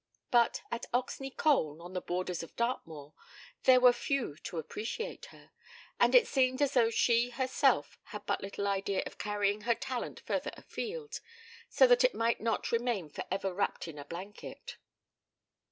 But at Oxney Colne, on the borders of Dartmoor, there were few to appreciate her, and it seemed as though she herself had but little idea of carrying her talent further afield, so that it might not remain for ever wrapped in a blanket.